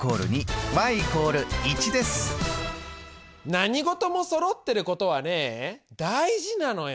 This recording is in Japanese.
何事もそろってることはねえ大事なのよ！